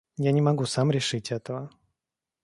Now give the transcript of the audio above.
Я не могу сам решить этого.